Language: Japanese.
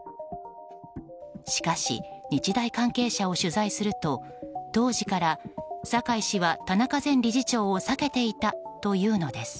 しかし、日大関係者を取材すると当時から酒井氏は田中前理事長を避けていたというのです。